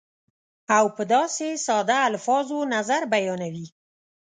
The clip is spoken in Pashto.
او په داسې ساده الفاظو نظر بیانوي